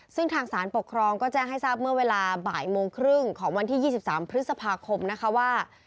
ซึ่งทางสารปกครองก็แจ้งให้ทราบเมื่อเวลาบ่ายโมงครึ่งของวันที่๒๓พฤษภาคมนะคะว่า